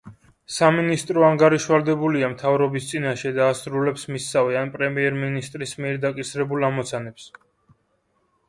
სამინისტრო ანგარიშვალდებულია მთავრობის წინაშე და ასრულებს მისსავე ან პრემიერ-მინისტრის მიერ დაკისრებულ ამოცანებს.